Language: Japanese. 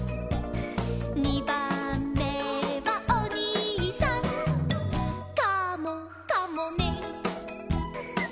「にばんめはおにいさん」「カモかもね」